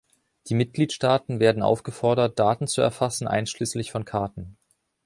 Die Mitgliedstaaten werden aufgefordert, Daten zu erfassen einschließlich von Karten.